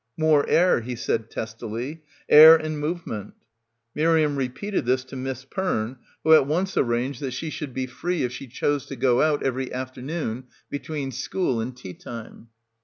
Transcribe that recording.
"More air," he said testily, "air and movement." Miriam repeated this to Miss Perne, who at once arranged that she should — 170 — BACKWATER be free if she chose to go out every afternoon be tween school and tea time.